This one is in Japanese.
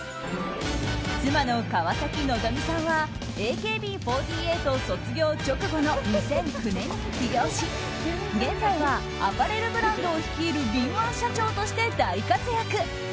妻の川崎希さんはＡＫＢ４８卒業直後の２００９年に起業し現在はアパレルブランドを率いる敏腕社長として大活躍。